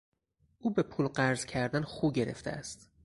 او به پول قرض کردن خو گرفته است.